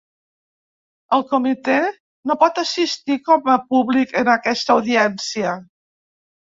El comitè no pot assistir com a públic en aquesta audiència.